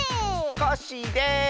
コッシーです！